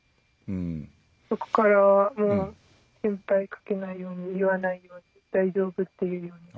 そこからは心配かけないように言わないように大丈夫って言うように。